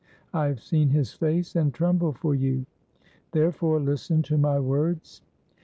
I have seen his face, and tremble for you. Therefore listen to my words.